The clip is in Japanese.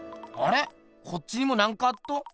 こっちにもなんかあっど。